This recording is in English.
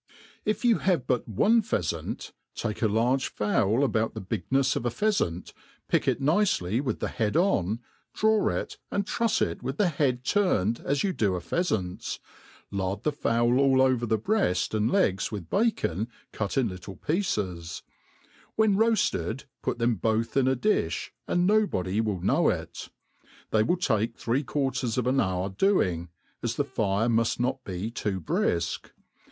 If you have but one pheafant, take a large fowl about the bignefs of a pheafant, pick it nicely with the head on, draw it^ and trufs it with the head turned as you do a pbeafant's, lard the fowf ail over the breaft and legs with bacon cut in little pieces : when roafted put them both in a difli, and no body wtU know it. They will take three quarters of an hour doings as the fire muft not be too briflc.